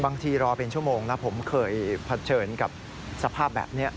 บางทีรอเป็นชั่วโมงและผมเคยผัดเชิญกับสภาพแบบนี้